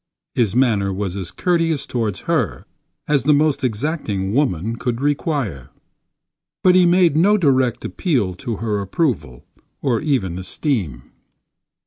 His manner was as courteous toward her as the most exacting woman could require; but he made no direct appeal to her approval or even esteem.